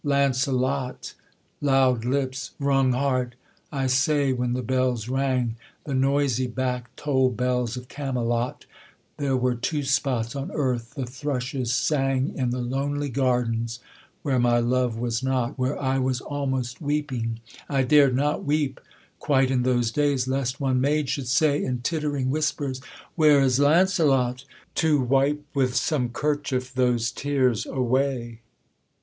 'Launcelot! Loud lips, wrung heart! I say when the bells rang, The noisy back toll'd bells of Camelot, There were two spots on earth, the thrushes sang In the lonely gardens where my love was not, Where I was almost weeping; I dared not Weep quite in those days, lest one maid should say, In tittering whispers: Where is Launcelot To wipe with some kerchief those tears away?